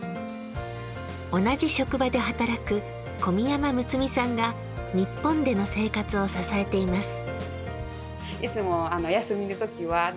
同じ職場で働く込山睦さんが日本での生活を支えています。